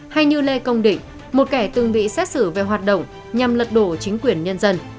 hay như lê công định một kẻ từng bị xét xử về hoạt động nhằm lật đổ chính quyền nhân dân